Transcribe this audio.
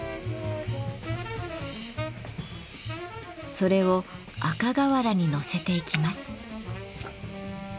それを赤瓦にのせていきます。